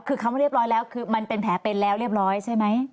คือคำว่าเรียบร้อยแล้วคือมันเป็นแผลเป็นแล้วเรียบร้อยใช่ไหม